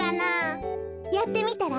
やってみたら？